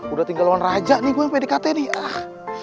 udah tinggal lawan raja nih gue pdkt nih